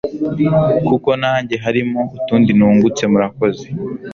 kuko nange harimo, utundi nungutse, murakoze